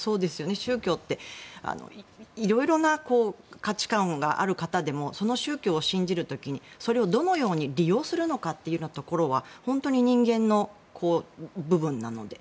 宗教って色々な価値観がある方でもその宗教を信じる時にそれをどのように利用するのかってところは本当に人間の部分なので。